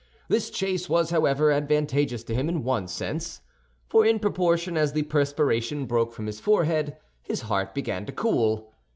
This chase was, however, advantageous to him in one sense, for in proportion as the perspiration broke from his forehead, his heart began to cool.